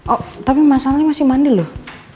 oh tapi masalahnya masih mandi loh